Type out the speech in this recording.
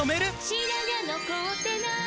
「白髪残ってない！」